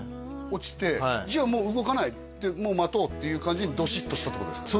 落ちてじゃあもう動かないって待とうっていう感じにドシッとしたってことですか？